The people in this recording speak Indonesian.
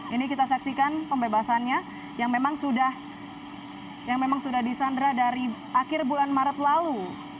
ini kita saksikan pembebasannya yang memang sudah disandra dari akhir bulan maret lalu